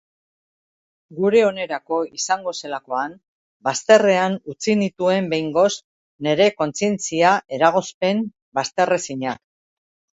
Gure onerako izango zelakoan, bazterrean utzi nituen behingoz nire kontzientzia-eragozpen bazterrezinak.